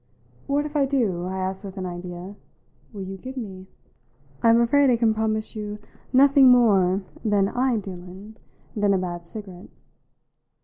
"What, if I do," I asked with an idea, "will you give me?" "I'm afraid I can promise you nothing more that I deal in than a bad cigarette."